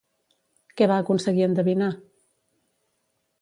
Què va aconseguir endevinar?